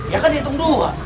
ya kan dihitung dua